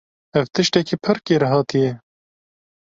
Ev tiştekî pir kêrhatî ye.